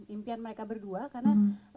impian mereka berdua karena